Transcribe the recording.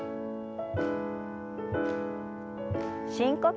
深呼吸。